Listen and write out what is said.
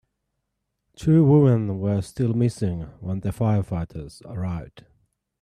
Two women were still missing when the firefighters arrived.